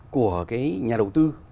của cái nhà đầu tư